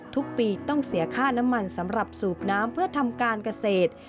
ทุกปีต้องเสียค่าน้ำมันสำหรับสูบน้ำเพื่อทำการเกษตร